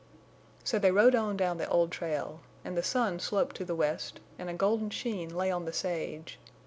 So they rode on down the old trail. And the sun sloped to the west, and a golden sheen lay on the sage.